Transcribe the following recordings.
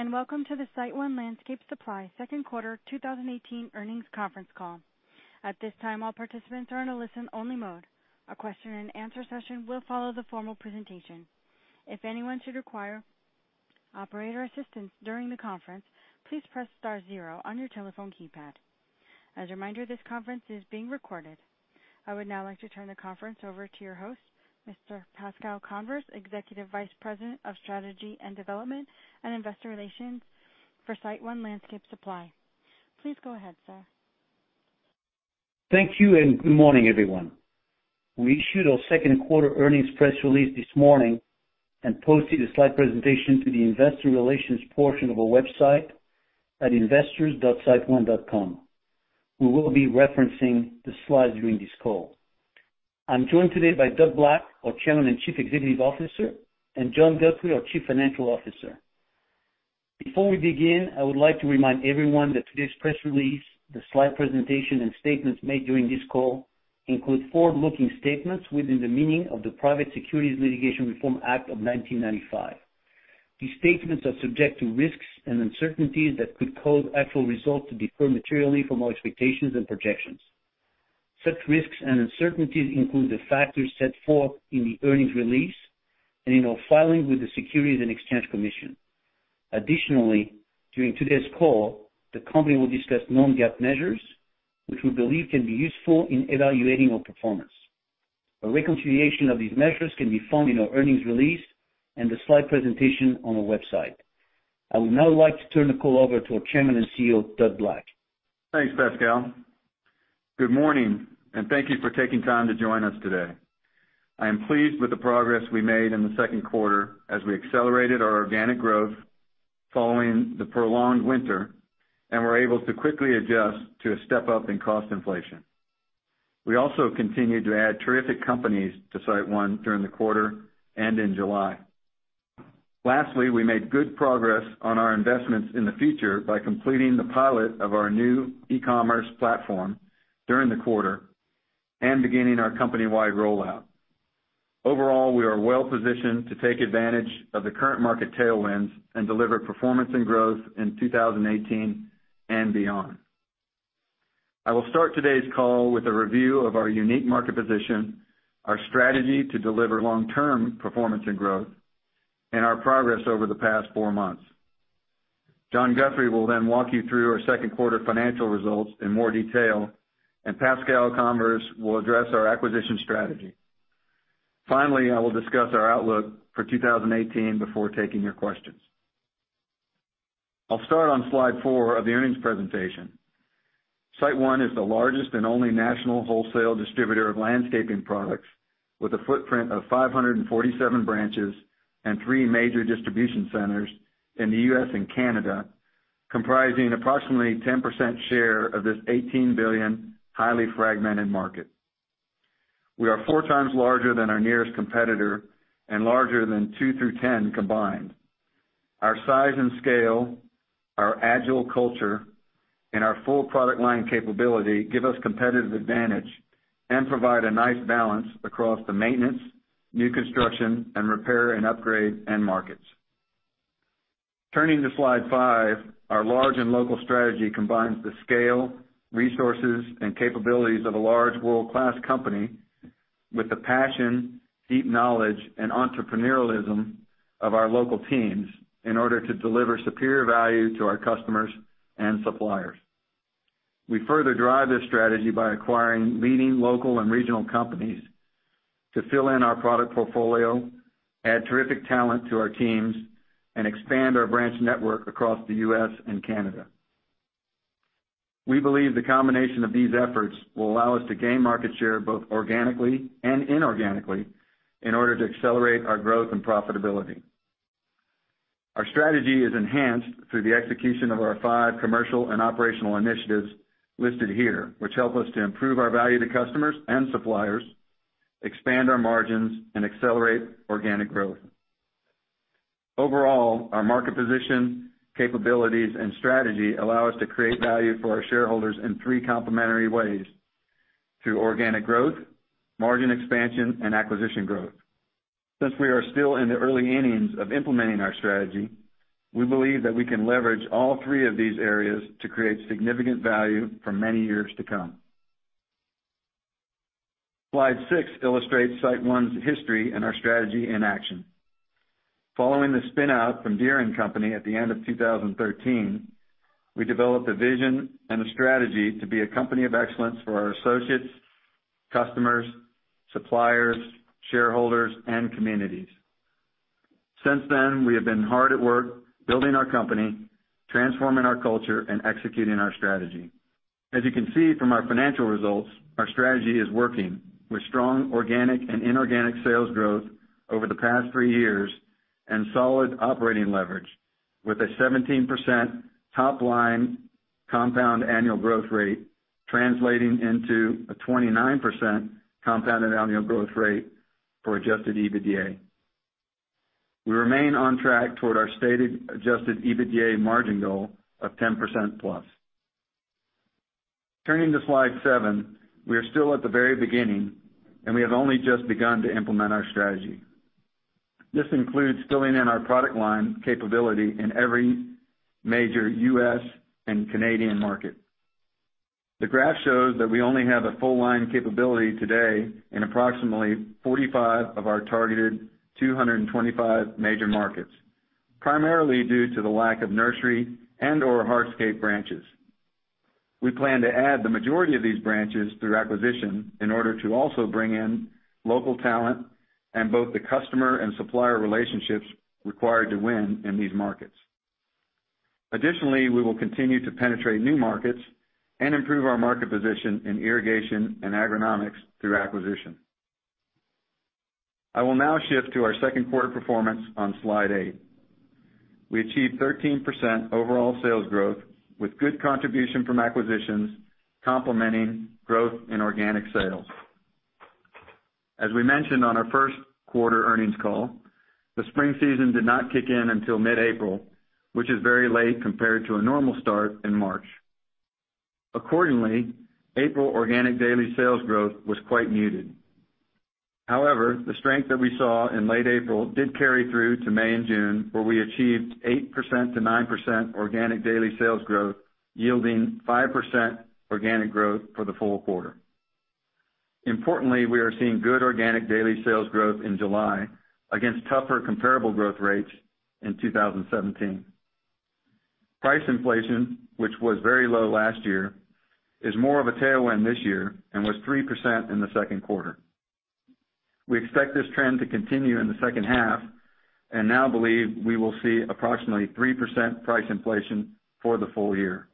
Greetings, welcome to the SiteOne Landscape Supply second quarter 2018 earnings conference call. At this time, all participants are in a listen-only mode. A question and answer session will follow the formal presentation. If anyone should require operator assistance during the conference, please press star zero on your telephone keypad. As a reminder, this conference is being recorded. I would now like to turn the conference over to your host, Mr. Pascal Convers, Executive Vice President of Strategy and Development and Investor Relations for SiteOne Landscape Supply. Please go ahead, sir. Thank you, good morning, everyone. We issued our second quarter earnings press release this morning and posted a slide presentation to the investor relations portion of our website at investors.siteone.com. We will be referencing the slides during this call. I'm joined today by Doug Black, our Chairman and Chief Executive Officer, and John Guthrie, our Chief Financial Officer. Before we begin, I would like to remind everyone that today's press release, the slide presentation, and statements made during this call include forward-looking statements within the meaning of the Private Securities Litigation Reform Act of 1995. These statements are subject to risks and uncertainties that could cause actual results to differ materially from our expectations and projections. Such risks and uncertainties include the factors set forth in the earnings release and in our filing with the Securities and Exchange Commission. Additionally, during today's call, the company will discuss non-GAAP measures, which we believe can be useful in evaluating our performance. A reconciliation of these measures can be found in our earnings release and the slide presentation on our website. I would now like to turn the call over to our Chairman and CEO, Doug Black. Thanks, Pascal. Good morning, thank you for taking time to join us today. I am pleased with the progress we made in the second quarter as we accelerated our organic growth following the prolonged winter and were able to quickly adjust to a step-up in cost inflation. We also continued to add terrific companies to SiteOne during the quarter and in July. Lastly, we made good progress on our investments in the future by completing the pilot of our new e-commerce platform during the quarter and beginning our company-wide rollout. Overall, we are well positioned to take advantage of the current market tailwinds and deliver performance and growth in 2018 and beyond. I will start today's call with a review of our unique market position, our strategy to deliver long-term performance and growth, and our progress over the past four months. John Guthrie will then walk you through our second quarter financial results in more detail, and Pascal Convers will address our acquisition strategy. Finally, I will discuss our outlook for 2018 before taking your questions. I will start on slide four of the earnings presentation. SiteOne is the largest and only national wholesale distributor of landscaping products, with a footprint of 547 branches and three major distribution centers in the U.S. and Canada, comprising approximately 10% share of this $18 billion highly fragmented market. We are four times larger than our nearest competitor and larger than two through 10 combined. Our size and scale, our agile culture, and our full product line capability give us competitive advantage and provide a nice balance across the maintenance, new construction, and repair and upgrade end markets. Turning to slide five, our large and local strategy combines the scale, resources, and capabilities of a large world-class company with the passion, deep knowledge, and entrepreneurialism of our local teams in order to deliver superior value to our customers and suppliers. We further drive this strategy by acquiring leading local and regional companies to fill in our product portfolio, add terrific talent to our teams, and expand our branch network across the U.S. and Canada. We believe the combination of these efforts will allow us to gain market share, both organically and inorganically, in order to accelerate our growth and profitability. Our strategy is enhanced through the execution of our five commercial and operational initiatives listed here, which help us to improve our value to customers and suppliers, expand our margins, and accelerate organic growth. Overall, our market position, capabilities, and strategy allow us to create value for our shareholders in three complementary ways: through organic growth, margin expansion, and acquisition growth. Since we are still in the early innings of implementing our strategy, we believe that we can leverage all three of these areas to create significant value for many years to come. Slide six illustrates SiteOne's history and our strategy in action. Following the spin-out from Deere & Company at the end of 2013, we developed a vision and a strategy to be a company of excellence for our associates, customers, suppliers, shareholders, and communities. Since then, we have been hard at work building our company, transforming our culture, and executing our strategy. As you can see from our financial results, our strategy is working, with strong organic and inorganic sales growth over the past three years and solid operating leverage with a 17% top-line compound annual growth rate translating into a 29% compounded annual growth rate for Adjusted EBITDA. We remain on track toward our stated Adjusted EBITDA margin goal of 10% plus. Turning to slide seven. We are still at the very beginning, and we have only just begun to implement our strategy. This includes filling in our product line capability in every major U.S. and Canadian market. The graph shows that we only have a full line capability today in approximately 45 of our targeted 225 major markets, primarily due to the lack of nursery and/or hardscape branches. We plan to add the majority of these branches through acquisition in order to also bring in local talent and both the customer and supplier relationships required to win in these markets. We will continue to penetrate new markets and improve our market position in irrigation and agronomics through acquisition. I will now shift to our second quarter performance on slide eight. We achieved 13% overall sales growth, with good contribution from acquisitions complementing growth in organic sales. As we mentioned on our first quarter earnings call, the spring season did not kick in until mid-April, which is very late compared to a normal start in March. Accordingly, April organic daily sales growth was quite muted. The strength that we saw in late April did carry through to May and June, where we achieved 8%-9% organic daily sales growth, yielding 5% organic growth for the full quarter. Importantly, we are seeing good organic daily sales growth in July against tougher comparable growth rates in 2017. Price inflation, which was very low last year, is more of a tailwind this year and was 3% in the second quarter. We expect this trend to continue in the second half and now believe we will see approximately 3% price inflation for the full year.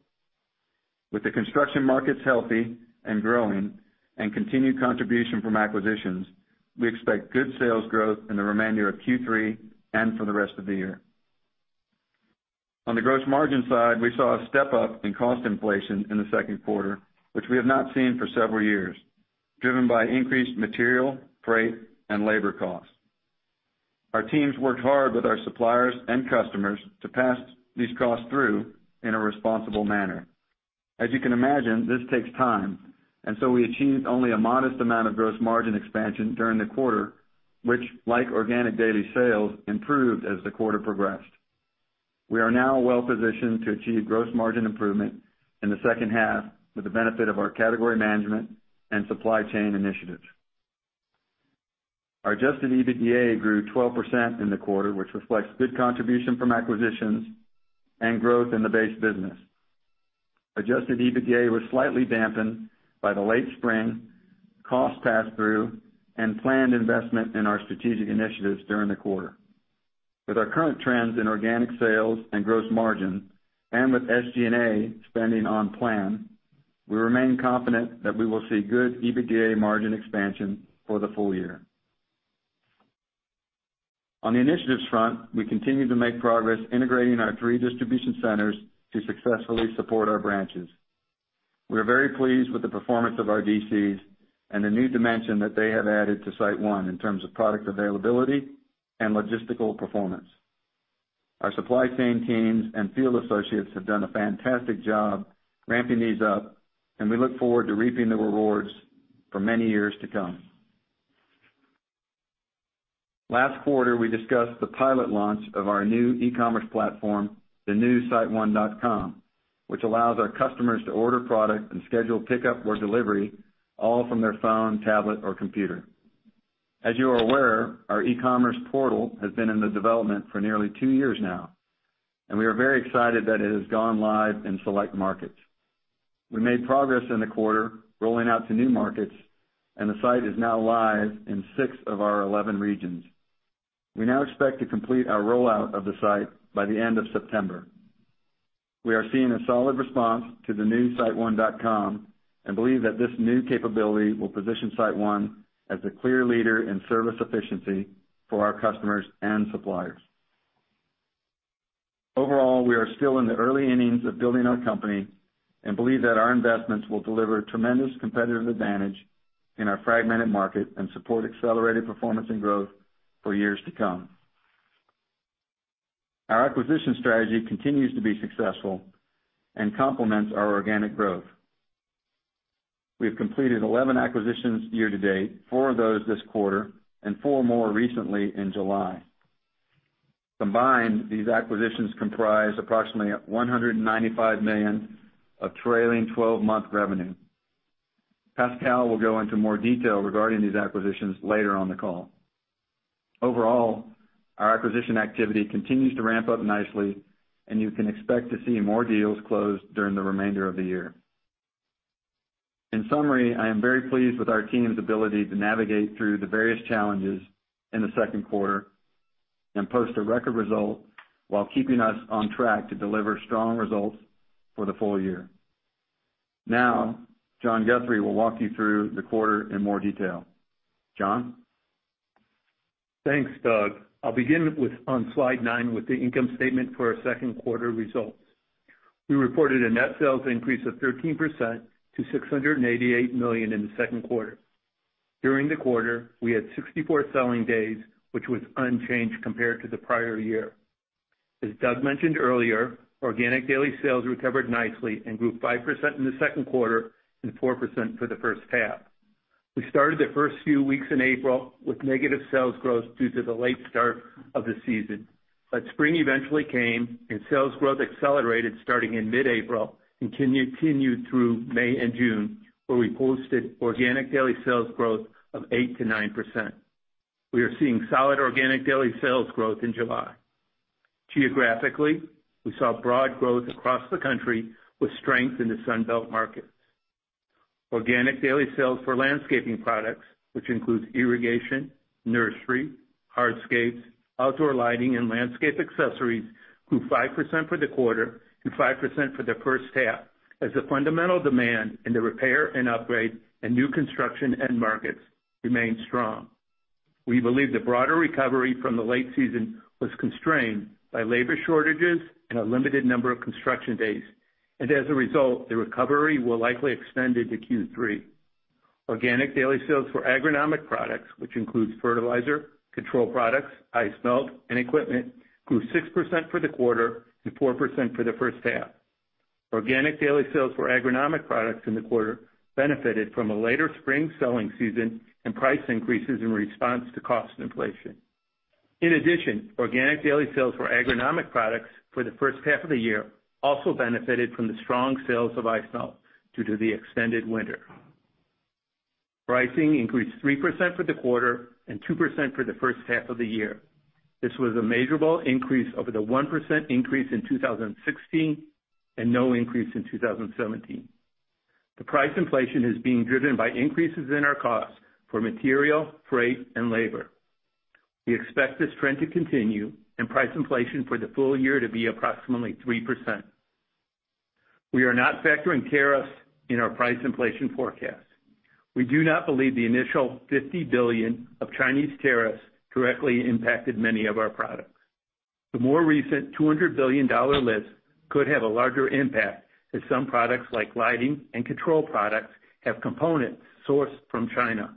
With the construction markets healthy and growing and continued contribution from acquisitions, we expect good sales growth in the remainder of Q3 and for the rest of the year. On the gross margin side, we saw a step-up in cost inflation in the second quarter, which we have not seen for several years, driven by increased material, freight, and labor costs. Our teams worked hard with our suppliers and customers to pass these costs through in a responsible manner. As you can imagine, this takes time, we achieved only a modest amount of gross margin expansion during the quarter, which like organic daily sales, improved as the quarter progressed. We are now well-positioned to achieve gross margin improvement in the second half with the benefit of our category management and supply chain initiatives. Our Adjusted EBITDA grew 12% in the quarter, which reflects good contribution from acquisitions and growth in the base business. Adjusted EBITDA was slightly dampened by the late spring, cost pass-through, and planned investment in our strategic initiatives during the quarter. With our current trends in organic sales and gross margin, and with SG&A spending on plan, we remain confident that we will see good EBITDA margin expansion for the full year. On the initiatives front, we continue to make progress integrating our three distribution centers to successfully support our branches. We are very pleased with the performance of our DCs and the new dimension that they have added to SiteOne in terms of product availability and logistical performance. Our supply chain teams and field associates have done a fantastic job ramping these up, and we look forward to reaping the rewards for many years to come. Last quarter, we discussed the pilot launch of our new e-commerce platform, the new siteone.com, which allows our customers to order product and schedule pickup or delivery all from their phone, tablet, or computer. As you are aware, our e-commerce portal has been in the development for nearly two years now, and we are very excited that it has gone live in select markets. We made progress in the quarter rolling out to new markets, and the site is now live in six of our 11 regions. We now expect to complete our rollout of the site by the end of September. We are seeing a solid response to the new siteone.com and believe that this new capability will position SiteOne as the clear leader in service efficiency for our customers and suppliers. Overall, we are still in the early innings of building our company and believe that our investments will deliver tremendous competitive advantage in our fragmented market and support accelerated performance and growth for years to come. Our acquisition strategy continues to be successful and complements our organic growth. We have completed 11 acquisitions year to date, four of those this quarter and four more recently in July. Combined, these acquisitions comprise approximately $195 million of trailing 12-month revenue. Pascal will go into more detail regarding these acquisitions later on the call. Overall, our acquisition activity continues to ramp up nicely, and you can expect to see more deals closed during the remainder of the year. In summary, I am very pleased with our team's ability to navigate through the various challenges in the second quarter and post a record result while keeping us on track to deliver strong results for the full year. Now, John Guthrie will walk you through the quarter in more detail. John? Thanks, Doug. I'll begin on slide nine with the income statement for our second quarter results. We reported a net sales increase of 13% to $688 million in the second quarter. During the quarter, we had 64 selling days, which was unchanged compared to the prior year. As Doug mentioned earlier, organic daily sales recovered nicely and grew 5% in the second quarter and 4% for the first half. Spring eventually came, and sales growth accelerated starting in mid-April and continued through May and June, where we posted organic daily sales growth of 8%-9%. We are seeing solid organic daily sales growth in July. Geographically, we saw broad growth across the country with strength in the Sun Belt markets. Organic daily sales for landscaping products, which includes irrigation, nursery, hardscapes, outdoor lighting, and landscape accessories, grew 5% for the quarter and 5% for the first half, as the fundamental demand in the repair and upgrade and new construction end markets remained strong. We believe the broader recovery from the late season was constrained by labor shortages and a limited number of construction days, and as a result, the recovery will likely extend into Q3. Organic daily sales for agronomic products, which includes fertilizer, control products, ice melt, and equipment, grew 6% for the quarter and 4% for the first half. Organic daily sales for agronomic products in the quarter benefited from a later spring selling season and price increases in response to cost inflation. In addition, organic daily sales for agronomic products for the first half of the year also benefited from the strong sales of ice melt due to the extended winter. Pricing increased 3% for the quarter and 2% for the first half of the year. This was a measurable increase over the 1% increase in 2016 and no increase in 2017. The price inflation is being driven by increases in our costs for material, freight, and labor. We expect this trend to continue and price inflation for the full year to be approximately 3%. We are not factoring tariffs in our price inflation forecast. We do not believe the initial $50 billion of Chinese tariffs directly impacted many of our products. The more recent $200 billion list could have a larger impact, as some products like lighting and control products have components sourced from China.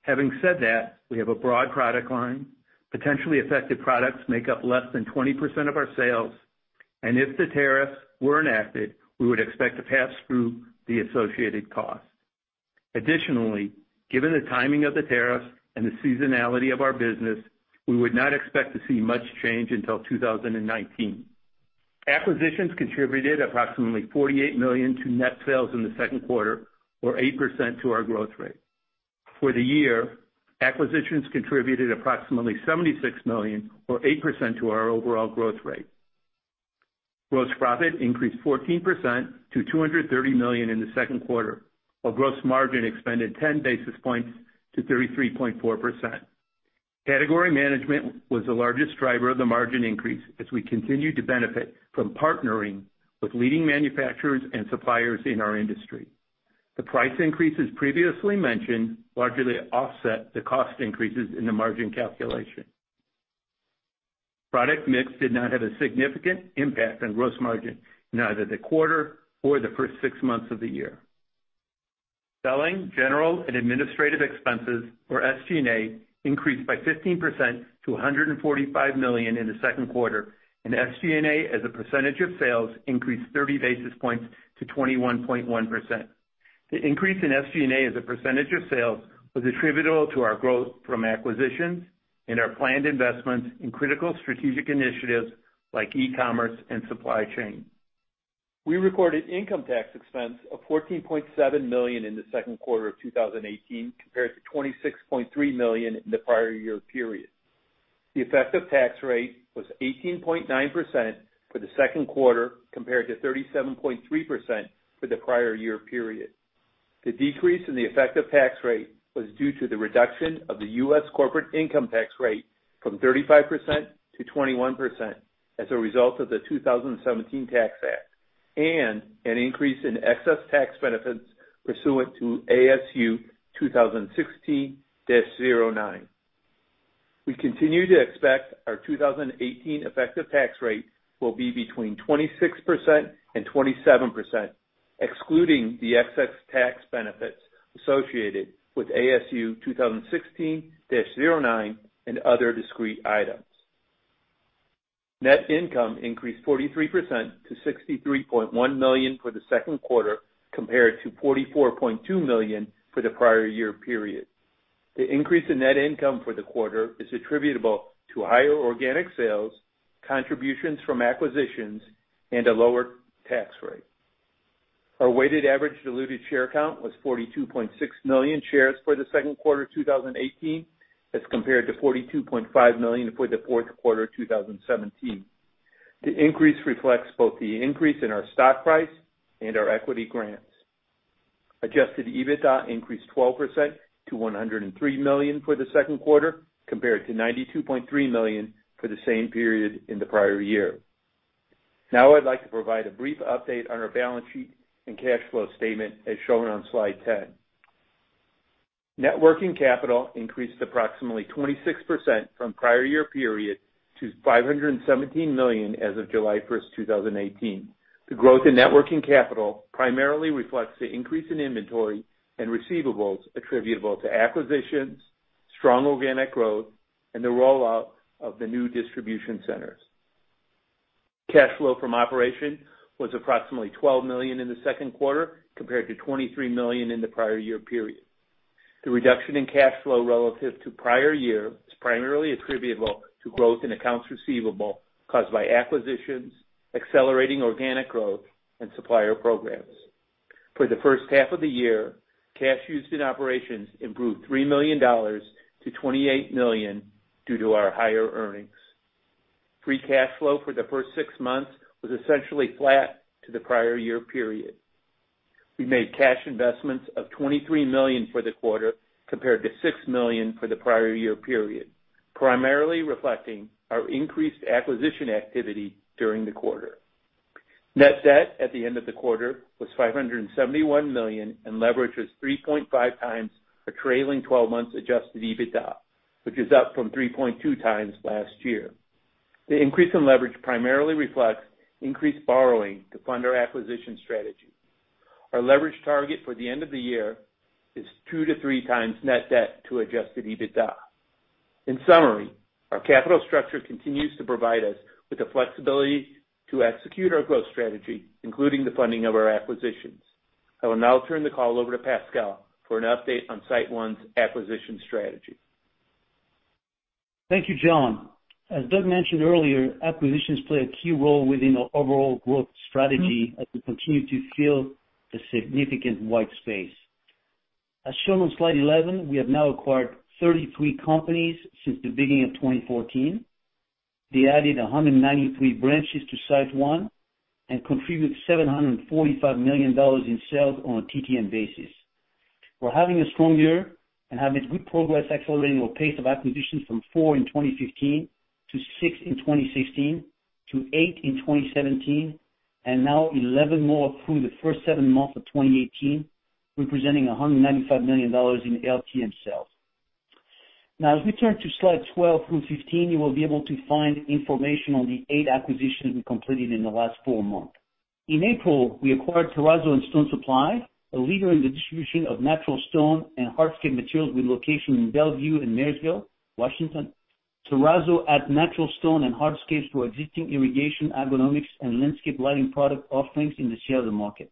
Having said that, we have a broad product line. Potentially affected products make up less than 20% of our sales, and if the tariffs were enacted, we would expect to pass through the associated cost. Additionally, given the timing of the tariffs and the seasonality of our business, we would not expect to see much change until 2019. Acquisitions contributed approximately $48 million to net sales in the second quarter or 8% to our growth rate. For the year, acquisitions contributed approximately $76 million or 8% to our overall growth rate. Gross profit increased 14% to $230 million in the second quarter, while gross margin expanded 10 basis points to 33.4%. Category management was the largest driver of the margin increase as we continued to benefit from partnering with leading manufacturers and suppliers in our industry. The price increases previously mentioned largely offset the cost increases in the margin calculation. Product mix did not have a significant impact on gross margin in either the quarter or the first six months of the year. Selling, general, and administrative expenses, or SG&A, increased by 15% to $145 million in the second quarter, and SG&A as a percentage of sales increased 30 basis points to 21.1%. The increase in SG&A as a percentage of sales was attributable to our growth from acquisitions and our planned investments in critical strategic initiatives like e-commerce and supply chain. We recorded income tax expense of $14.7 million in the second quarter of 2018 compared to $26.3 million in the prior year period. The effective tax rate was 18.9% for the second quarter compared to 37.3% for the prior year period. The decrease in the effective tax rate was due to the reduction of the U.S. corporate income tax rate from 35% to 21% as a result of the 2017 Tax Act, and an increase in excess tax benefits pursuant to ASU 2016-09. We continue to expect our 2018 effective tax rate will be between 26% and 27%, excluding the excess tax benefits associated with ASU 2016-09 and other discrete items. Net income increased 43% to $63.1 million for the second quarter compared to $44.2 million for the prior year period. The increase in net income for the quarter is attributable to higher organic sales, contributions from acquisitions, and a lower tax rate. Our weighted average diluted share count was 42.6 million shares for the second quarter of 2018 as compared to 42.5 million for the fourth quarter of 2017. The increase reflects both the increase in our stock price and our equity grants. Adjusted EBITDA increased 12% to $103 million for the second quarter compared to $92.3 million for the same period in the prior year. I'd like to provide a brief update on our balance sheet and cash flow statement as shown on slide 10. Net working capital increased approximately 26% from prior year period to $517 million as of July 1st, 2018. The growth in net working capital primarily reflects the increase in inventory and receivables attributable to acquisitions Strong organic growth and the rollout of the new distribution centers. Cash flow from operations was approximately $12 million in the second quarter, compared to $23 million in the prior year period. The reduction in cash flow relative to prior year is primarily attributable to growth in accounts receivable caused by acquisitions, accelerating organic growth, and supplier programs. For the first half of the year, cash used in operations improved $3 million to $28 million due to our higher earnings. Free cash flow for the first six months was essentially flat to the prior year period. We made cash investments of $23 million for the quarter, compared to $6 million for the prior year period, primarily reflecting our increased acquisition activity during the quarter. Net debt at the end of the quarter was $571 million and leverage was 3.5 times our trailing 12 months Adjusted EBITDA, which is up from 3.2 times last year. The increase in leverage primarily reflects increased borrowing to fund our acquisition strategy. Our leverage target for the end of the year is 2-3 times net debt to Adjusted EBITDA. In summary, our capital structure continues to provide us with the flexibility to execute our growth strategy, including the funding of our acquisitions. I will now turn the call over to Pascal for an update on SiteOne's acquisition strategy. Thank you, John. As Doug mentioned earlier, acquisitions play a key role within our overall growth strategy as we continue to fill the significant white space. As shown on slide 11, we have now acquired 33 companies since the beginning of 2014. They added 193 branches to SiteOne and contribute $745 million in sales on a TTM basis. We're having a strong year and having good progress accelerating our pace of acquisitions from four in 2015 to six in 2016 to eight in 2017, and now 11 more through the first seven months of 2018, representing $195 million in LTM sales. As we turn to slides 12 through 15, you will be able to find information on the eight acquisitions we completed in the last four months. In April, we acquired Terrazzo & Stone Supply, a leader in the distribution of natural stone and hardscape materials with locations in Bellevue and Marysville, Washington. Terrazzo adds natural stone and hardscapes to our existing irrigation, agronomics, and landscape lighting product offerings in the Seattle market.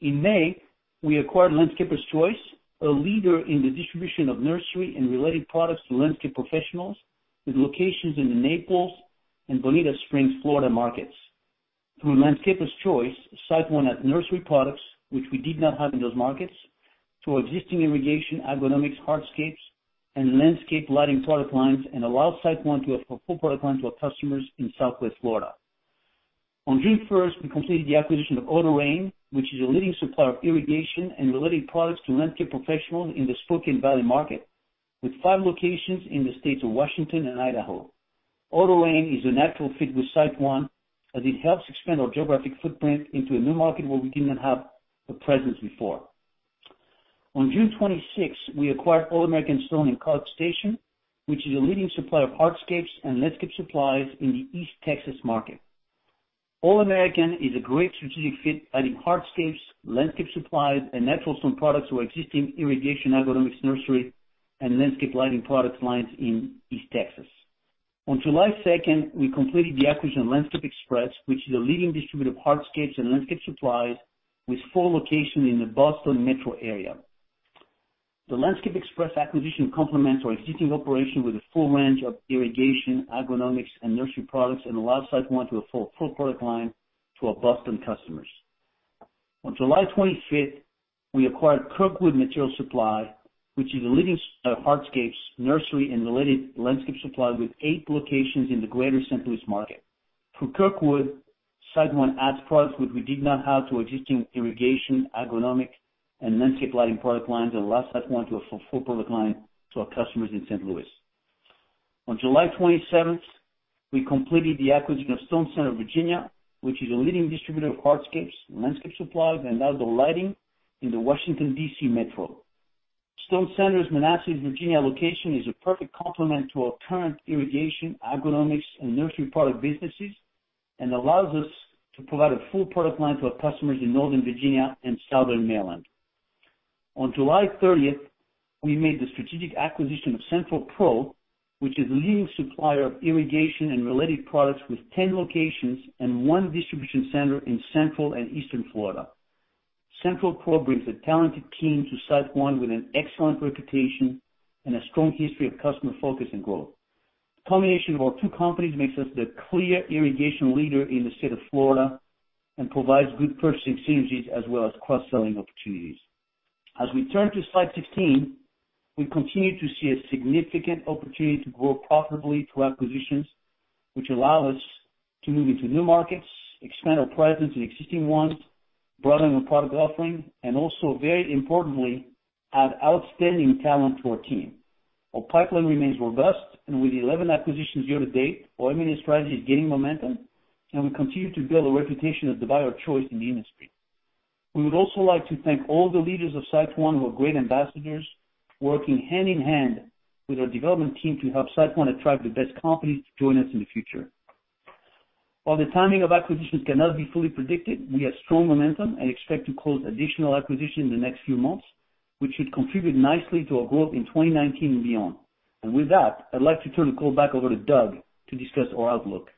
In May, we acquired Landscaper's Choice, a leader in the distribution of nursery and related products to landscape professionals with locations in the Naples and Bonita Springs, Florida, markets. Through Landscaper's Choice, SiteOne adds nursery products, which we did not have in those markets, to our existing irrigation, agronomics, hardscapes, and landscape lighting product lines, and allows SiteOne to offer full product lines to our customers in Southwest Florida. On June 1st, we completed the acquisition of Auto-Rain, which is a leading supplier of irrigation and related products to landscape professionals in the Spokane Valley market, with five locations in the states of Washington and Idaho. Auto-Rain is a natural fit with SiteOne as it helps expand our geographic footprint into a new market where we did not have a presence before. On June 26th, we acquired All American Stone in College Station, which is a leading supplier of hardscapes and landscape supplies in the East Texas market. All American is a great strategic fit, adding hardscapes, landscape supplies, and natural stone products to our existing irrigation, agronomics, nursery, and landscape lighting product lines in East Texas. On July 2nd, we completed the acquisition of Landscape Express, which is a leading distributor of hardscapes and landscape supplies with four locations in the Boston metro area. The Landscape Express acquisition complements our existing operation with a full range of irrigation, agronomics, and nursery products and allows SiteOne to offer a full product line to our Boston customers. On July 25th, we acquired Kirkwood Material Supply, which is a leading supplier of hardscapes, nursery, and related landscape supply with eight locations in the greater St. Louis market. Through Kirkwood, SiteOne adds products which we did not have to our existing irrigation, agronomics, and landscape lighting product lines, and allows SiteOne to offer a full product line to our customers in St. Louis. On July 27th, we completed the acquisition of Stone Center of Virginia, which is a leading distributor of hardscapes, landscape supplies, and outdoor lighting in the Washington, D.C. Metro. Stone Center's Manassas, Virginia, location is a perfect complement to our current irrigation, agronomics, and nursery product businesses and allows us to provide a full product line to our customers in Northern Virginia and Southern Maryland. On July 30th, we made the strategic acquisition of Central Pro, which is a leading supplier of irrigation and related products with 10 locations and one distribution center in Central and Eastern Florida. Central Pro brings a talented team to SiteOne with an excellent reputation and a strong history of customer focus and growth. The combination of our two companies makes us the clear irrigation leader in the state of Florida and provides good purchasing synergies as well as cross-selling opportunities. As we turn to slide 16, we continue to see a significant opportunity to grow profitably through acquisitions, which allow us to move into new markets, expand our presence in existing ones, broaden our product offering, and also, very importantly, add outstanding talent to our team. Our pipeline remains robust. With 11 acquisitions year to date, our M&A strategy is gaining momentum. We continue to build a reputation as the buyer of choice in the industry. We would also like to thank all the leaders of SiteOne who are great ambassadors, working hand in hand with our development team to help SiteOne attract the best companies to join us in the future. While the timing of acquisitions cannot be fully predicted, we have strong momentum and expect to close additional acquisitions in the next few months, which should contribute nicely to our growth in 2019 and beyond. With that, I'd like to turn the call back over to Doug to discuss our outlook.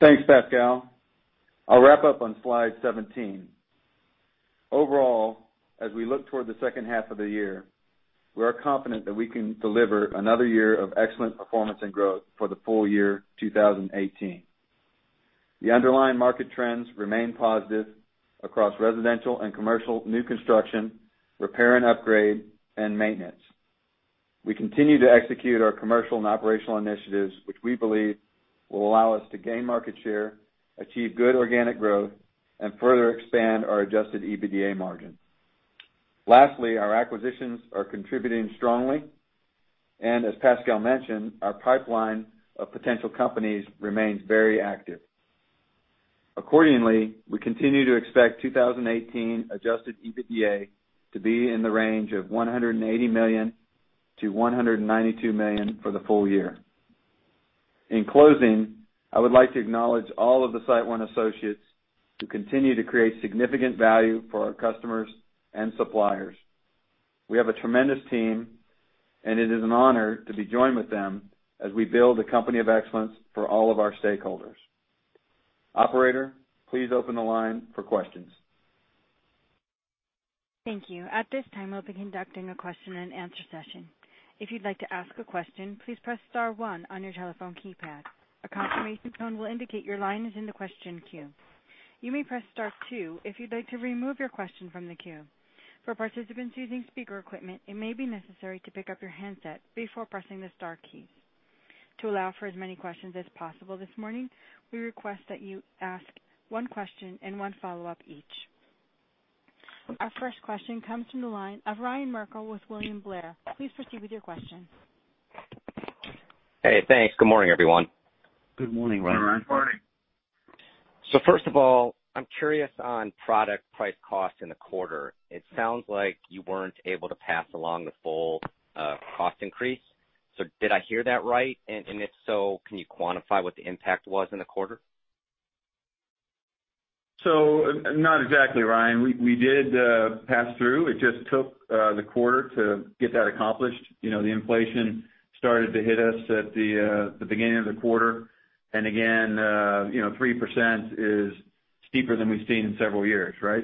Thanks, Pascal. I'll wrap up on slide 17. Overall, as we look toward the second half of the year, we are confident that we can deliver another year of excellent performance and growth for the full year 2018. The underlying market trends remain positive across residential and commercial new construction, repair and upgrade, and maintenance. We continue to execute our commercial and operational initiatives, which we believe will allow us to gain market share, achieve good organic growth, and further expand our Adjusted EBITDA margin. Lastly, our acquisitions are contributing strongly. As Pascal mentioned, our pipeline of potential companies remains very active. Accordingly, we continue to expect 2018 Adjusted EBITDA to be in the range of $180 million-$192 million for the full year. In closing, I would like to acknowledge all of the SiteOne associates who continue to create significant value for our customers and suppliers. We have a tremendous team. It is an honor to be joined with them as we build a company of excellence for all of our stakeholders. Operator, please open the line for questions. Thank you. At this time, we'll be conducting a question and answer session. If you'd like to ask a question, please press star one on your telephone keypad. A confirmation tone will indicate your line is in the question queue. You may press star two if you'd like to remove your question from the queue. For participants using speaker equipment, it may be necessary to pick up your handset before pressing the star keys. To allow for as many questions as possible this morning, we request that you ask one question and one follow-up each. Our first question comes from the line of Ryan Merkel with William Blair. Please proceed with your question. Hey, thanks. Good morning, everyone. Good morning, Ryan. Good morning. First of all, I'm curious on product price cost in the quarter. It sounds like you weren't able to pass along the full cost increase. Did I hear that right? If so, can you quantify what the impact was in the quarter? Not exactly, Ryan. We did pass through. It just took the quarter to get that accomplished. The inflation started to hit us at the beginning of the quarter. Again, 3% is steeper than we've seen in several years, right?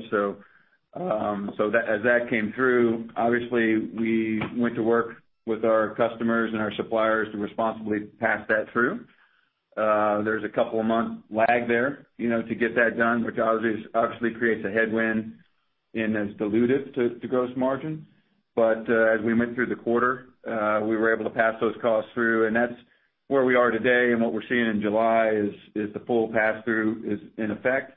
As that came through, obviously we went to work with our customers and our suppliers to responsibly pass that through. There's a couple of month lag there to get that done, which obviously creates a headwind and is dilutive to gross margin. As we went through the quarter, we were able to pass those costs through, and that's where we are today, and what we're seeing in July is the full pass-through is in effect.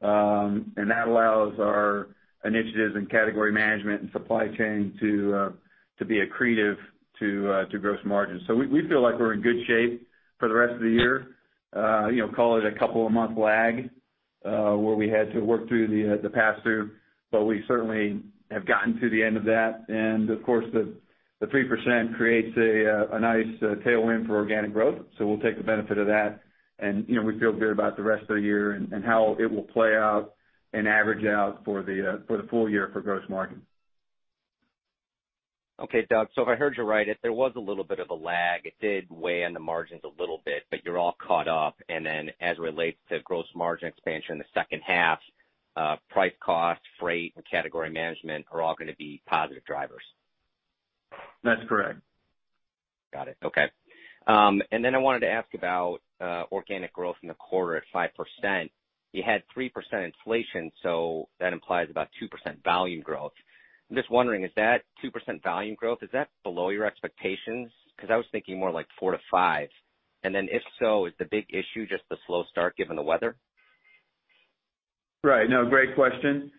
That allows our initiatives in category management and supply chain to be accretive to gross margin. We feel like we're in good shape for the rest of the year. Call it a couple of month lag, where we had to work through the pass-through, we certainly have gotten to the end of that. Of course, the 3% creates a nice tailwind for organic growth. We'll take the benefit of that, and we feel good about the rest of the year and how it will play out and average out for the full year for gross margin. Doug, if I heard you right, there was a little bit of a lag. It did weigh on the margins a little bit, you're all caught up. As it relates to gross margin expansion in the second half, price cost, freight, and category management are all going to be positive drivers. That's correct. Got it. Okay. I wanted to ask about organic growth in the quarter at 5%. You had 3% inflation, so that implies about 2% volume growth. I'm just wondering, is that 2% volume growth, is that below your expectations? Because I was thinking more like 4%-5%. If so, is the big issue just the slow start given the weather? Right. No, great question.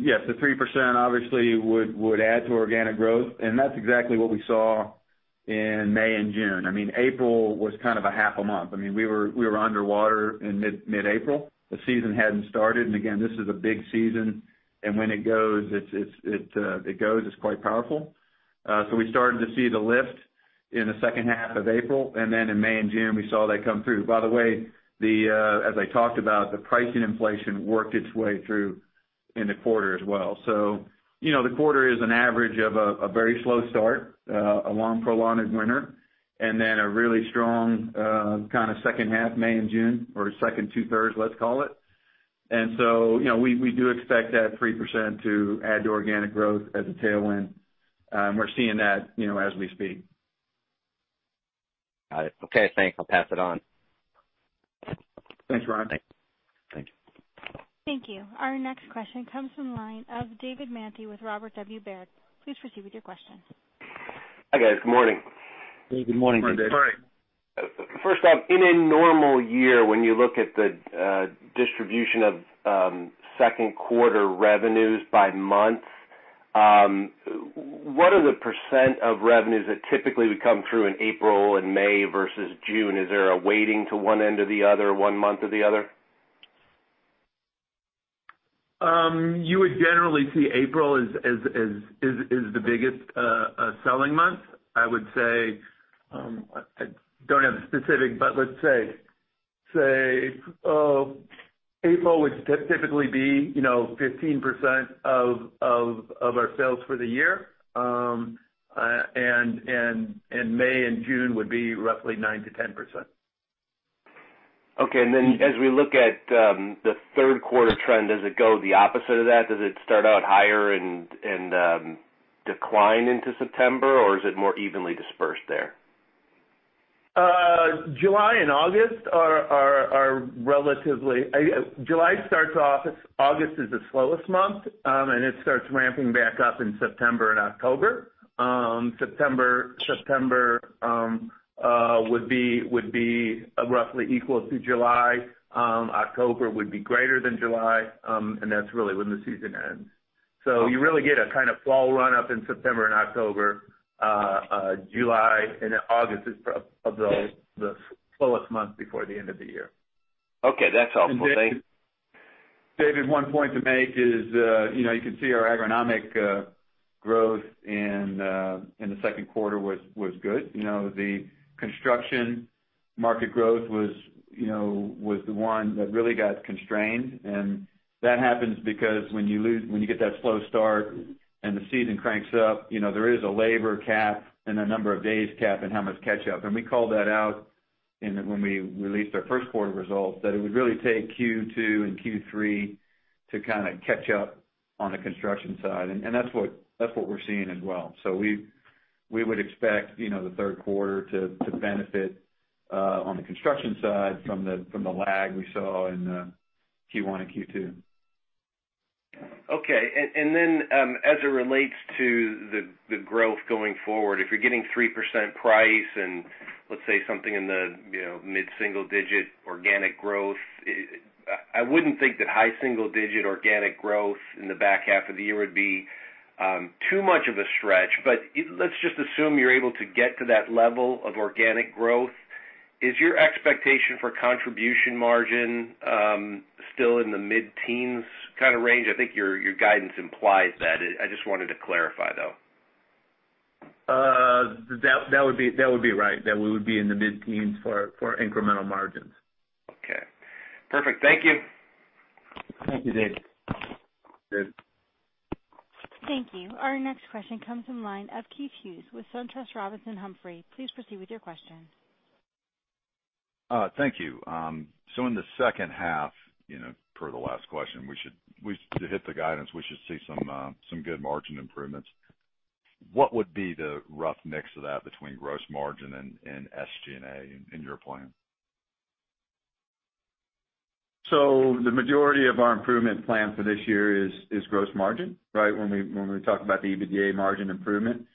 Yes, the 3% obviously would add to organic growth, and that's exactly what we saw in May and June. April was kind of a half a month. We were underwater in mid-April. The season hadn't started, and again, this is a big season, and when it goes, it's quite powerful. We started to see the lift in the second half of April, in May and June, we saw that come through. By the way, as I talked about, the pricing inflation worked its way through in the quarter as well. The quarter is an average of a very slow start, a long, prolonged winter, a really strong kind of second half, May and June, or second two-thirds, let's call it. We do expect that 3% to add to organic growth as a tailwind. We're seeing that as we speak. Got it. Okay, thanks. I'll pass it on. Thanks, Ryan. Thanks. Thank you. Our next question comes from the line of David Manthey with Robert W. Baird. Please proceed with your question. Hi, guys. Good morning. Good morning, David. Morning. First off, in a normal year, when you look at the distribution of second quarter revenues by month, what are the % of revenues that typically would come through in April and May versus June? Is there a weighting to one end or the other, one month or the other? You would generally see April is the biggest selling month. I don't have a specific, but let's say April would typically be 15% of our sales for the year, and May and June would be roughly 9%-10%. Okay. Then as we look at the third quarter trend, does it go the opposite of that? Does it start out higher and decline into September, or is it more evenly dispersed there? July starts off, August is the slowest month, and it starts ramping back up in September and October. September would be roughly equal to July. October would be greater than July. That's really when the season ends. You really get a kind of fall run-up in September and October. July and August is the slowest month before the end of the year. Okay, that's helpful. Thanks. David, one point to make is, you can see our agronomic growth in the second quarter was good. The construction market growth was the one that really got constrained. That happens because when you get that slow start and the season cranks up, there is a labor cap and a number of days cap in how much catch-up. We called that out when we released our first quarter results, that it would really take Q2 and Q3 to kind of catch up on the construction side. That's what we're seeing as well. We would expect the third quarter to benefit on the construction side from the lag we saw in Q1 and Q2. Okay. As it relates to the growth going forward, if you're getting 3% price and let's say something in the mid-single digit organic growth, I wouldn't think that high single digit organic growth in the back half of the year would be too much of a stretch. Let's just assume you're able to get to that level of organic growth. Is your expectation for contribution margin still in the mid-teens kind of range? I think your guidance implies that. I just wanted to clarify, though. That would be right. That we would be in the mid-teens for incremental margins. Okay, perfect. Thank you. Thank you, David. Good. Thank you. Our next question comes from the line of Keith Hughes with SunTrust Robinson Humphrey. Please proceed with your question. Thank you. In the second half, per the last question, to hit the guidance, we should see some good margin improvements. What would be the rough mix of that between gross margin and SG&A in your plan? The majority of our improvement plan for this year is gross margin. When we talk about the EBITDA margin improvement,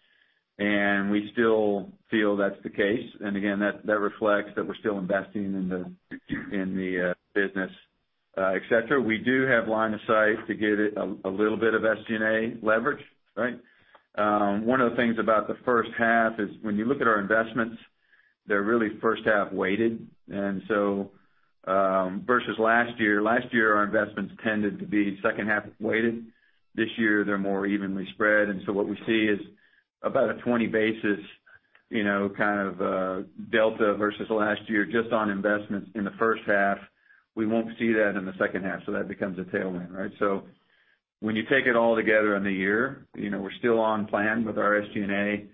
we still feel that's the case. Again, that reflects that we are still investing in the business, et cetera. We do have line of sight to get a little bit of SG&A leverage. One of the things about the first half is when you look at our investments, they are really first half weighted. Versus last year, last year our investments tended to be second half weighted. This year they are more evenly spread. What we see is about a 20 basis kind of delta versus last year just on investments in the first half. We will not see that in the second half, so that becomes a tailwind. When you take it all together in the year, we are still on plan with our SG&A.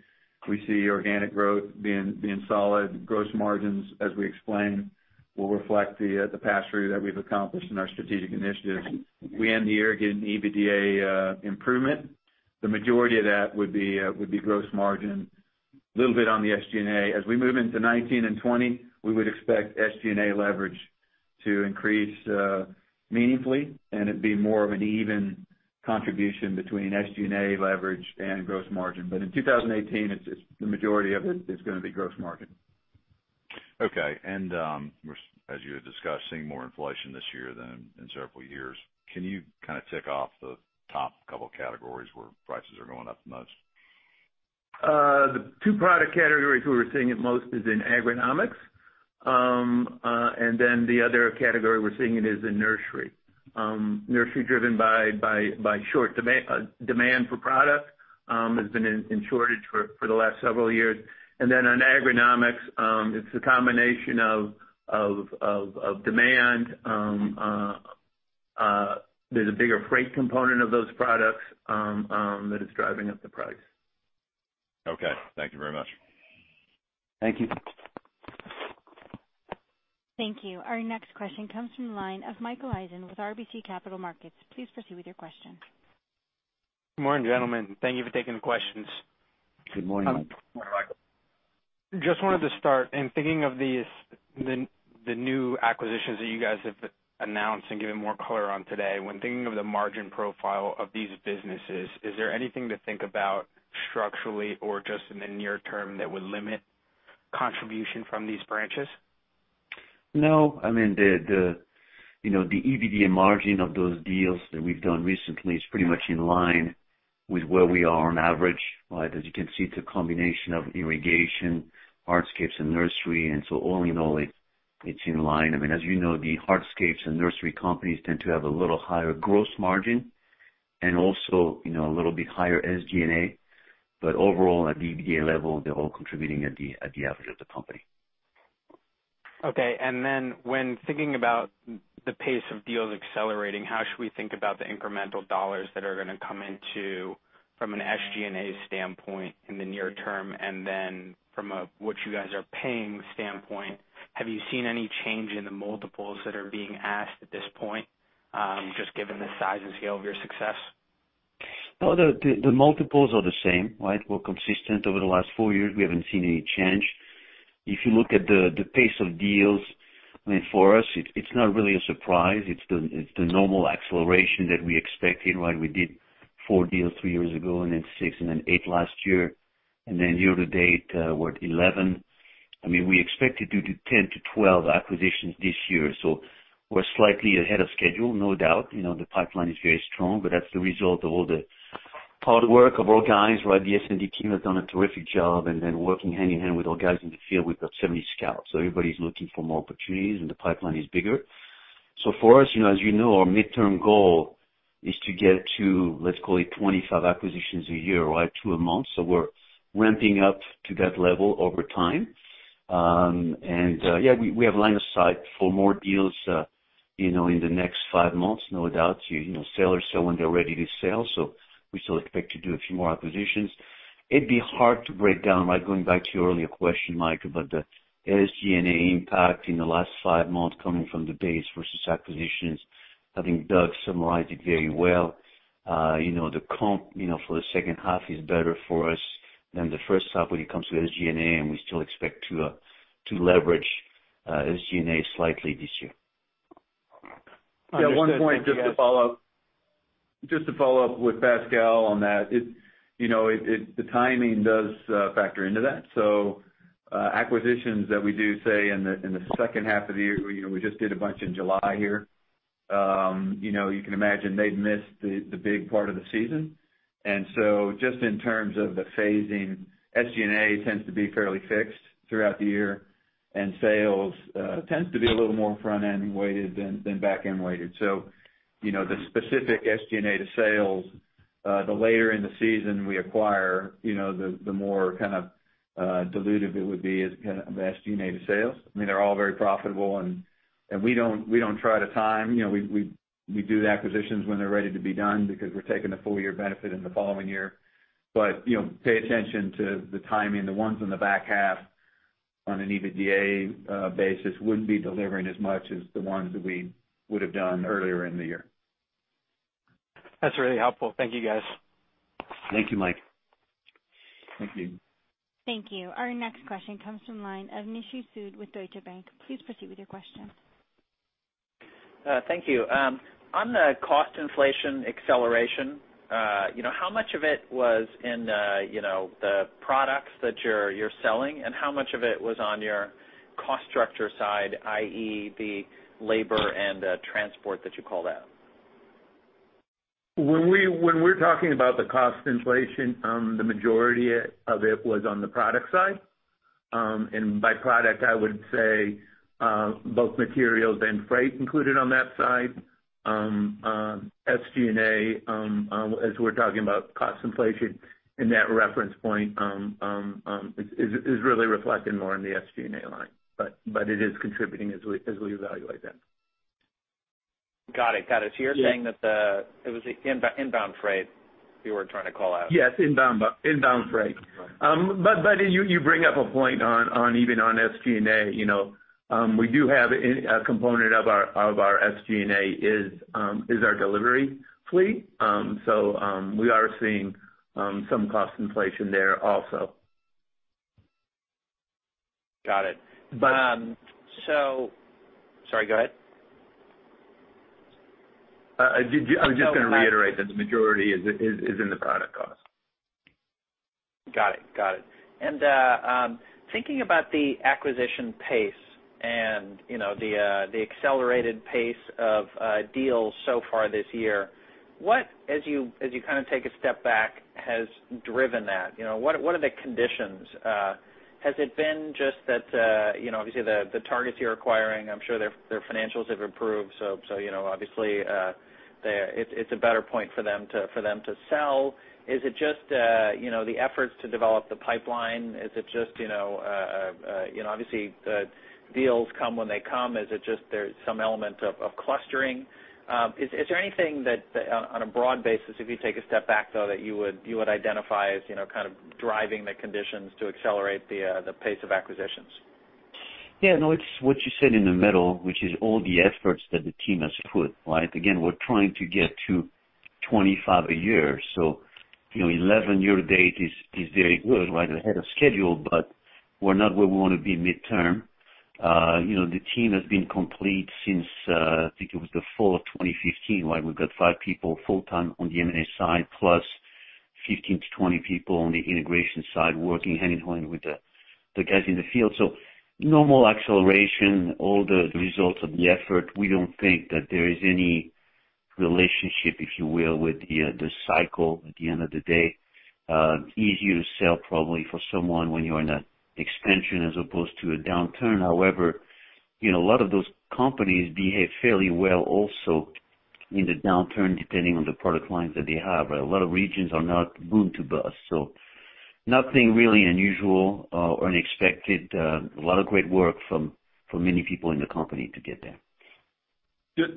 We see organic growth being solid. Gross margins, as we explained, will reflect the pass-through that we have accomplished in our strategic initiatives. We end the year getting EBITDA improvement. The majority of that would be gross margin, little bit on the SG&A. As we move into 2019 and 2020, we would expect SG&A leverage to increase meaningfully, and it would be more of an even contribution between SG&A leverage and gross margin. In 2018, the majority of it is going to be gross margin. Okay. As you had discussed, seeing more inflation this year than in several years. Can you kind of tick off the top couple categories where prices are going up the most? The two product categories where we're seeing it most is in agronomics. The other category we're seeing it is in nursery. Nursery driven by short demand for product, has been in shortage for the last several years. On agronomics, it's a combination of demand. There's a bigger freight component of those products that is driving up the price. Okay. Thank you very much. Thank you. Thank you. Our next question comes from the line of Michael Eisen with RBC Capital Markets. Please proceed with your question. Good morning, gentlemen. Thank you for taking the questions. Good morning. Good morning, Michael. Just wanted to start in thinking of the new acquisitions that you guys have announced and given more color on today. When thinking of the margin profile of these businesses, is there anything to think about structurally or just in the near term that would limit contribution from these branches? No. The Adjusted EBITDA margin of those deals that we've done recently is pretty much in line With where we are on average. As you can see, it's a combination of irrigation, hardscapes, and nursery. All in all, it's in line. As you know, the hardscapes and nursery companies tend to have a little higher gross margin and also a little bit higher SG&A. Overall, at the Adjusted EBITDA level, they're all contributing at the average of the company. Okay. When thinking about the pace of deals accelerating, how should we think about the incremental dollars that are going to come into from an SG&A standpoint in the near term, and then from a what you guys are paying standpoint, have you seen any change in the multiples that are being asked at this point, just given the size and scale of your success? No, the multiples are the same. We're consistent. Over the last four years, we haven't seen any change. If you look at the pace of deals, I mean, for us, it's not really a surprise. It's the normal acceleration that we expected. We did four deals three years ago, then six, then eight last year. Year to date, we're at 11. I mean, we expect to do 10 to 12 acquisitions this year, so we're slightly ahead of schedule, no doubt. The pipeline is very strong, but that's the result of all the hard work of our guys. The S&D team has done a terrific job, and then working hand-in-hand with our guys in the field, we've got 70 scouts. Everybody's looking for more opportunities, and the pipeline is bigger. For us, as you know, our midterm goal is to get to, let's call it, 25 acquisitions a year. Two a month. We're ramping up to that level over time. Yeah, we have line of sight for more deals in the next five months, no doubt. Sellers sell when they're ready to sell. We still expect to do a few more acquisitions. It'd be hard to break down, going back to your earlier question, Mike, about the SG&A impact in the last five months, coming from the base versus acquisitions. I think Doug summarized it very well. The comp for the second half is better for us than the first half when it comes to SG&A, and we still expect to leverage SG&A slightly this year. Understood. Thank you guys. Yeah, one point, just to follow up with Pascal on that. The timing does factor into that. Acquisitions that we do, say, in the second half of the year, we just did a bunch in July here. You can imagine they'd missed the big part of the season. Just in terms of the phasing, SG&A tends to be fairly fixed throughout the year, and sales tends to be a little more front-end weighted than back-end weighted. The specific SG&A to sales, the later in the season we acquire, the more kind of dilutive it would be as kind of SG&A to sales. I mean, they're all very profitable, and we don't try to time. We do the acquisitions when they're ready to be done because we're taking the full year benefit in the following year. Pay attention to the timing. The ones in the back half on an EBITDA basis wouldn't be delivering as much as the ones that we would've done earlier in the year. That's really helpful. Thank you, guys. Thank you, Mike. Thank you. Thank you. Our next question comes from the line of Nishu Sood with Deutsche Bank. Please proceed with your question. Thank you. On the cost inflation acceleration, how much of it was in the products that you're selling, and how much of it was on your cost structure side, i.e., the labor and transport that you called out? When we're talking about the cost inflation, the majority of it was on the product side. By product, I would say both materials and freight included on that side. SG&A, as we're talking about cost inflation in that reference point, is really reflected more in the SG&A line, but it is contributing as we evaluate that. Got it. You're saying that it was the inbound freight you were trying to call out? Yes, inbound freight. Right. You bring up a point even on SG&A. We do have a component of our SG&A is our delivery fleet. We are seeing some cost inflation there also. Got it. But- Sorry, go ahead. I was just going to reiterate that the majority is in the product cost. Got it. Thinking about the acquisition pace and the accelerated pace of deals so far this year, what, as you kind of take a step back, has driven that? What are the conditions? Has it been just that obviously the targets you're acquiring, I'm sure their financials have improved, so obviously it's a better point for them to sell. Is it just the efforts to develop the pipeline? Is it just obviously deals come when they come? Is it just there's some element of clustering? Is there anything that on a broad basis, if you take a step back, though, that you would identify as kind of driving the conditions to accelerate the pace of acquisitions? Yeah, no, it's what you said in the middle, which is all the efforts that the team has put. Again, we're trying to get to 25 a year. 11 year to date is very good, ahead of schedule, but we're not where we want to be midterm. The team has been complete since, I think it was the fall of 2015. We've got five people full-time on the M&A side, plus 15 to 20 people on the integration side working hand-in-hand with the guys in the field. Normal acceleration, all the results of the effort, we don't think that there is any relationship, if you will, with the cycle at the end of the day. Easier to sell probably for someone when you're in an expansion as opposed to a downturn. However, a lot of those companies behave fairly well also in the downturn, depending on the product lines that they have. A lot of regions are not boom to bust. Nothing really unusual or unexpected. A lot of great work from many people in the company to get there.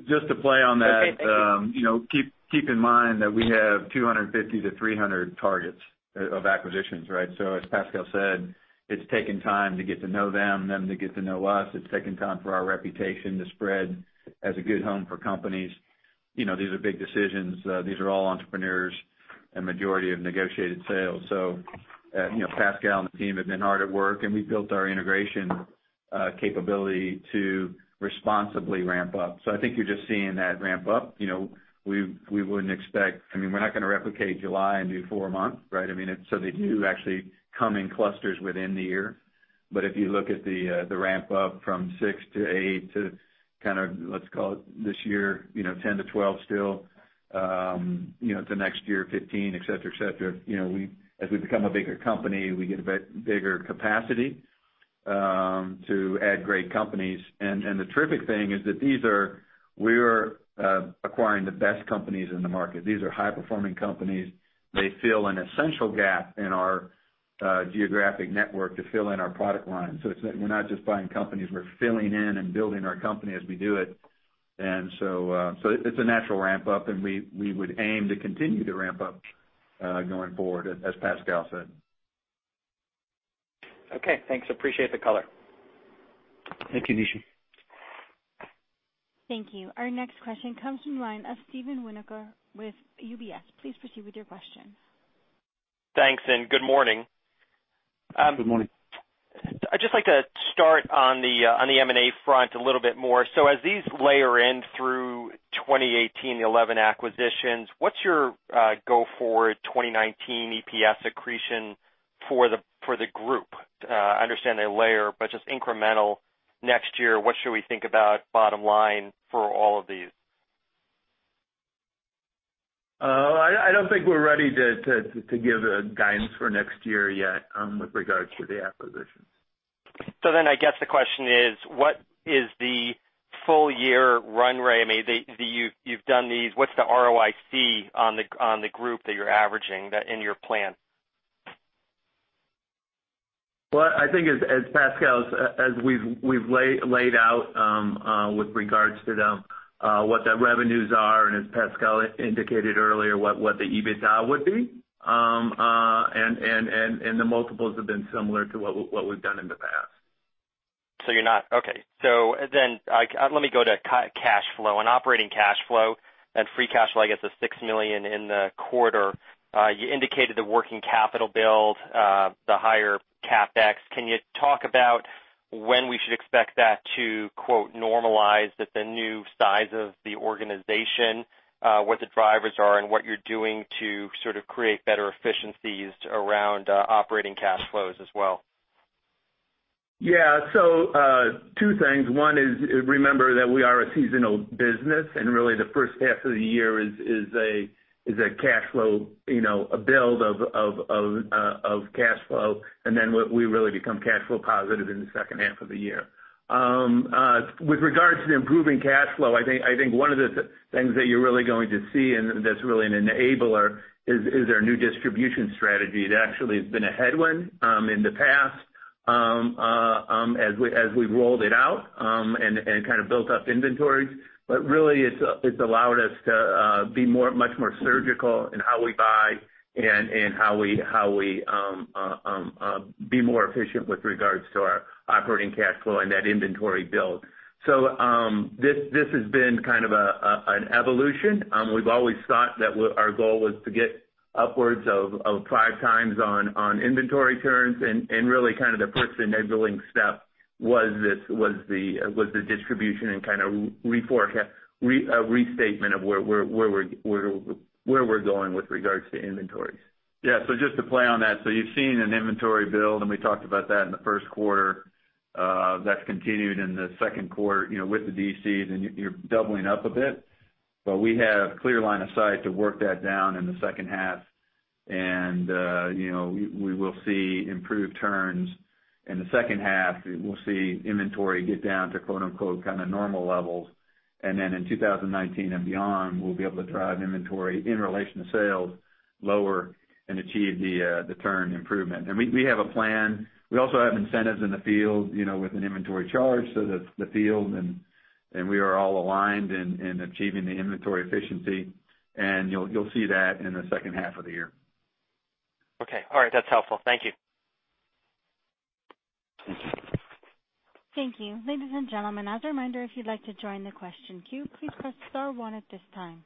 Just to play on that. Okay. Thank you Keep in mind that we have 250 to 300 targets of acquisitions. As Pascal said, it's taken time to get to know them to get to know us. It's taken time for our reputation to spread as a good home for companies. These are big decisions. These are all entrepreneurs and majority of negotiated sales. Pascal and the team have been hard at work, and we've built our integration capability to responsibly ramp up. I think you're just seeing that ramp up. We're not going to replicate July and do four a month, right? They do actually come in clusters within the year. But if you look at the ramp up from six to eight to let's call it this year, 10 to 12 still, the next year 15, et cetera. As we become a bigger company, we get a bigger capacity to add great companies. The terrific thing is that we're acquiring the best companies in the market. These are high-performing companies. They fill an essential gap in our geographic network to fill in our product line. We're not just buying companies, we're filling in and building our company as we do it. It's a natural ramp up, and we would aim to continue to ramp up going forward, as Pascal said. Okay, thanks. Appreciate the color. Thank you, Nishu. Thank you. Our next question comes from the line of Steven Winoker with UBS. Please proceed with your question. Thanks. Good morning. Good morning. I'd just like to start on the M&A front a little bit more. As these layer in through 2018, the 11 acquisitions, what's your go forward 2019 EPS accretion for the group? I understand they layer, but just incremental next year, what should we think about bottom line for all of these? I don't think we're ready to give guidance for next year yet with regards to the acquisitions. I guess the question is, what is the full year run way? You've done these, what's the ROIC on the group that you're averaging in your plan? Well, I think as we've laid out with regards to what the revenues are, and as Pascal indicated earlier, what the EBITDA would be, and the multiples have been similar to what we've done in the past. You're not. Let me go to cash flow. On operating cash flow and free cash flow, I guess the $6 million in the quarter. You indicated the working capital build, the higher CapEx. Can you talk about when we should expect that to quote, "normalize" with the new size of the organization, what the drivers are and what you're doing to sort of create better efficiencies around operating cash flows as well? Two things. One is, remember that we are a seasonal business, really the first half of the year is a cash flow, a build of cash flow. Then we really become cash flow positive in the second half of the year. With regards to improving cash flow, I think one of the things that you're really going to see, and that's really an enabler, is our new distribution strategy. That actually has been a headwind in the past as we've rolled it out and kind of built up inventories. Really, it's allowed us to be much more surgical in how we buy and how we be more efficient with regards to our operating cash flow and that inventory build. This has been kind of an evolution. We've always thought that our goal was to get upwards of five times on inventory turns, really kind of the first enabling step was the distribution and kind of restatement of where we're going with regards to inventories. Just to play on that. You've seen an inventory build, we talked about that in the first quarter. That's continued in the second quarter, with the DCs, you're doubling up a bit. We have clear line of sight to work that down in the second half. We will see improved turns in the second half. We'll see inventory get down to quote, unquote, "kind of normal levels." In 2019 and beyond, we'll be able to drive inventory in relation to sales lower and achieve the turn improvement. We have a plan. We also have incentives in the field, with an inventory charge. The field and we are all aligned in achieving the inventory efficiency, you'll see that in the second half of the year. Okay. All right. That's helpful. Thank you. Thank you. Thank you. Ladies and gentlemen, as a reminder, if you'd like to join the question queue, please press star one at this time.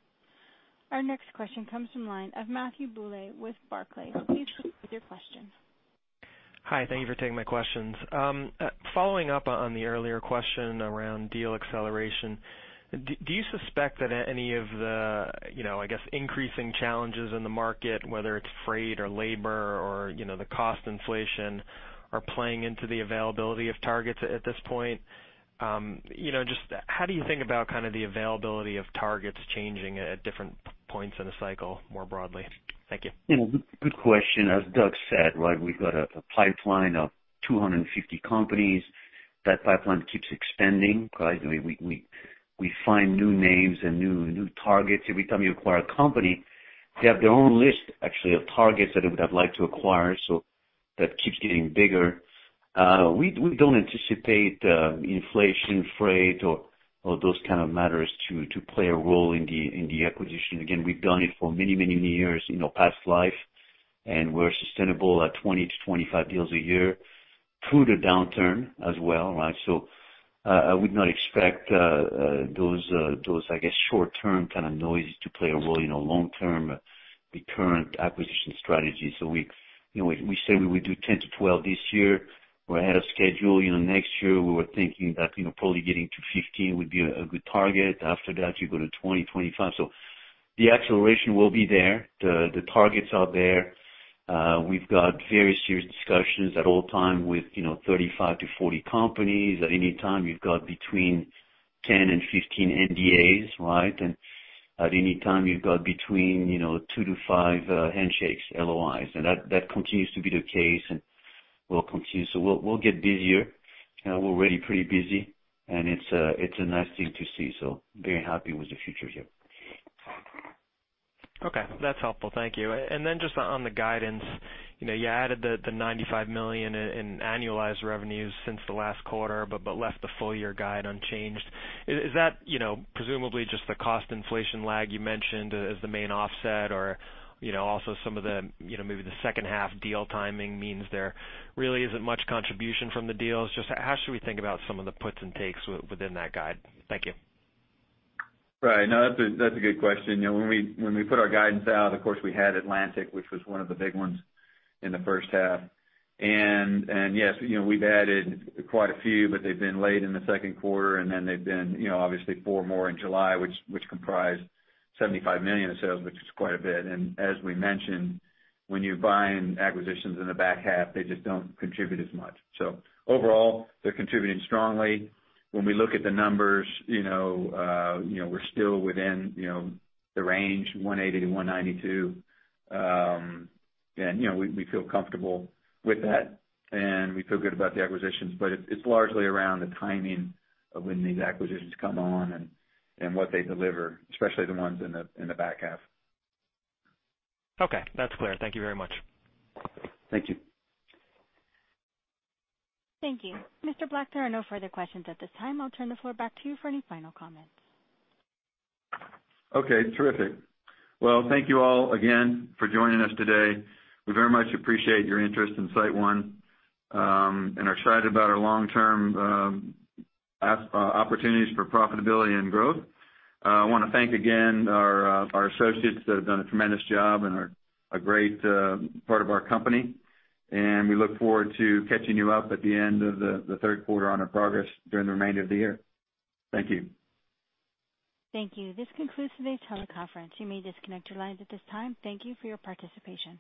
Our next question comes from line of Matthew Bouley with Barclays. Please proceed with your question. Hi, thank you for taking my questions. Following up on the earlier question around deal acceleration, do you suspect that any of the, I guess, increasing challenges in the market, whether it's freight or labor or the cost inflation, are playing into the availability of targets at this point? Just how do you think about the availability of targets changing at different points in the cycle more broadly? Thank you. Good question. As Doug said, we've got a pipeline of 250 companies. That pipeline keeps expanding. We find new names and new targets. Every time you acquire a company, they have their own list, actually, of targets that they would have liked to acquire, so that keeps getting bigger. We don't anticipate inflation, freight, or those kind of matters to play a role in the acquisition. Again, we've done it for many years in our past life, and we're sustainable at 20 to 25 deals a year through the downturn as well. I would not expect those, I guess, short-term kind of noise to play a role in our long-term recurrent acquisition strategy. We said we would do 10 to 12 this year. We're ahead of schedule. Next year, we were thinking that probably getting to 15 would be a good target. After that, you go to 20, 25. The acceleration will be there. The targets are there. We've got very serious discussions at all time with 35 to 40 companies. At any time, you've got between 10 and 15 NDAs. At any time, you've got between two to five handshakes, LOIs. That continues to be the case, and will continue. We'll get busier. We're already pretty busy, and it's a nice thing to see. Very happy with the future here. Okay, that's helpful. Thank you. Then just on the guidance, you added the $95 million in annualized revenues since the last quarter, but left the full-year guide unchanged. Is that presumably just the cost inflation lag you mentioned as the main offset? Also some of maybe the second half deal timing means there really isn't much contribution from the deals? Just how should we think about some of the puts and takes within that guide? Thank you. Right. No, that's a good question. When we put our guidance out, of course, we had Atlantic, which was one of the big ones in the first half. Yes, we've added quite a few, but they've been late in the second quarter, then they've been obviously four more in July, which comprise $75 million in sales, which is quite a bit. As we mentioned, when you're buying acquisitions in the back half, they just don't contribute as much. Overall, they're contributing strongly. When we look at the numbers, we're still within the range of 180 to 192. We feel comfortable with that, and we feel good about the acquisitions. It's largely around the timing of when these acquisitions come on and what they deliver, especially the ones in the back half. Okay. That's clear. Thank you very much. Thank you. Thank you. Mr. Black, there are no further questions at this time. I'll turn the floor back to you for any final comments. Okay, terrific. Well, thank you all again for joining us today. We very much appreciate your interest in SiteOne and are excited about our long-term opportunities for profitability and growth. I want to thank again our associates that have done a tremendous job and are a great part of our company, and we look forward to catching you up at the end of the third quarter on our progress during the remainder of the year. Thank you. Thank you. This concludes today's teleconference. You may disconnect your lines at this time. Thank you for your participation.